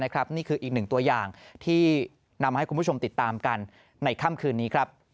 คืออีก๑ตัวอย่างที่นำให้คุณผู้ชมติดตามกันในคำคืนนี้